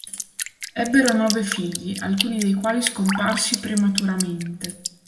Ebbero nove figli, alcuni dei quali scomparsi prematuramente.